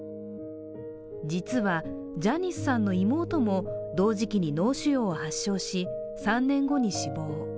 実は、ジャニスさんの妹も同時期に脳腫瘍を発症し３年後に死亡。